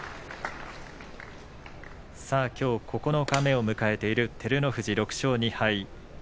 さあきょう九日目を迎えている照ノ富士、６勝２敗。